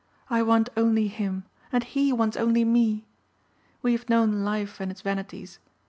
I want only him and he wants only me. We have known life and its vanities.